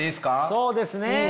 そうですね。